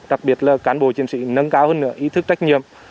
đặc biệt là cán bộ chiến sĩ nâng cao hơn nữa ý thức trách nhiệm